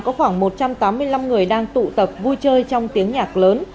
có khoảng một trăm tám mươi năm người đang tụ tập vui chơi trong tiếng nhạc lớn